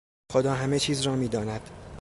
خدا همه چیز را میداند.